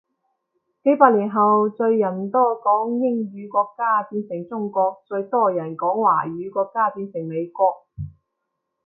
幾百年後最人多講英語國家變成中國，最多人講華語國家變成美國